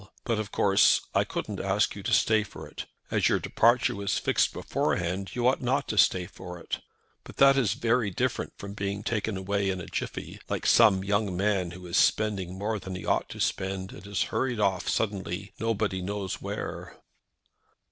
But of course I couldn't ask you to stay for it. As your departure was fixed beforehand you ought not to stay for it. But that is very different from being taken away in a jiffey, like some young man who is spending more than he ought to spend, and is hurried off suddenly nobody knows where."